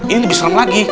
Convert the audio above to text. ini lebih serem lagi